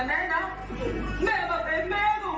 แม่ก็เป็นแม่ของพวกเราอีก